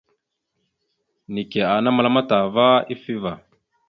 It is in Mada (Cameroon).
Neke ana məlam ataha ava ifevá.